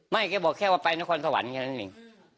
ไม่เคยบอกแค่ว่าไปนครสวรรค์อย่างนั้นเอง